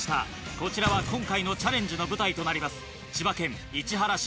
こちらは今回のチャレンジの舞台となります千葉県市原市。